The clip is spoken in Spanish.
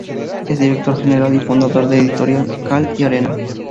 Es director general y fundador de la editorial Cal y Arena.